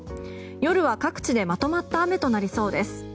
夜は各地でまとまった雨となりそうです。